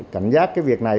cảnh giác cái việc này